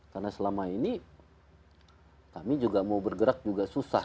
karena selama ini kami juga mau bergerak juga susah